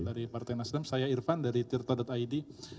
dari partai nasdem saya irfan dari tirta id